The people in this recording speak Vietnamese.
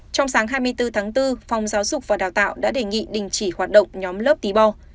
trong sáng hai mươi bốn tháng bốn phòng giáo dục và đào tạo đã đề nghị đình chỉ hoạt động nhóm lớp tí bo